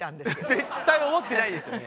絶対思ってないですよね。